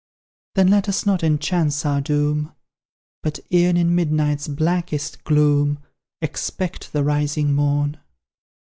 Then let us not enhance our doom But e'en in midnight's blackest gloom Expect the rising morn.